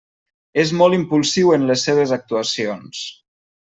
És molt impulsiu en les seves actuacions.